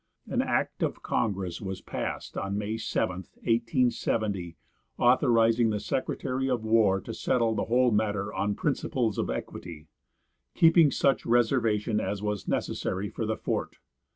An act of congress was passed on May 7, 1870, authorizing the secretary of war to settle the whole matter on principles of equity, keeping such reservation as was necessary for the fort.